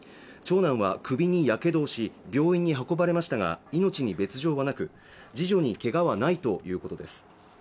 長男は首にやけどをし病院に運ばれましたが命に別状はなく次女にけがはないということです